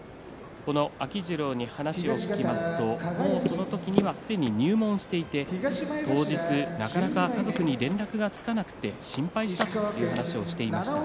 秋治郎に話を聞きますとこの時には、すでに入門していて当日なかなか家族に連絡がつかなくて心配したという話をしていました。